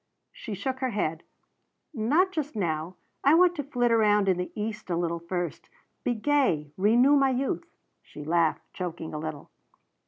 She shook her head. "Not just now. I want to flit round in the East a little first. Be gay renew my youth," she laughed, choking a little.